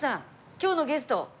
今日のゲスト。